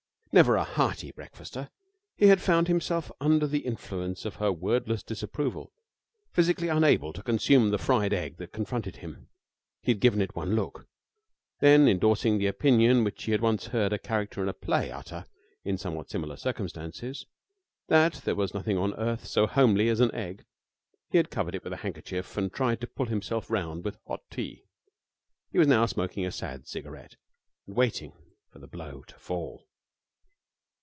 Never a hearty breakfaster, he had found himself under the influence of her wordless disapproval physically unable to consume the fried egg that confronted him. He had given it one look; then, endorsing the opinion which he had once heard a character in a play utter in somewhat similar circumstances that there was nothing on earth so homely as an egg he had covered it with a handkerchief and tried to pull himself round with hot tea. He was now smoking a sad cigarette and waiting for the blow to fall.